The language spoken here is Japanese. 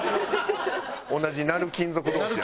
同じ鳴る金属同士や。